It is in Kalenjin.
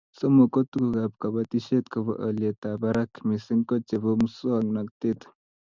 Somok, ko tugukab kobotisiet kobo olyetab barak missing ko chebo muswoknatet